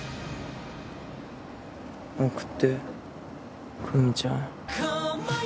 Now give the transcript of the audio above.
送って久美ちゃん。